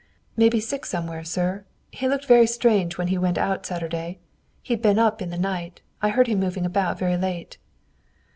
"May be sick somewhere, sir. He looked very strange when he went out Saturday. He'd been up in the night. I heard him moving around very late."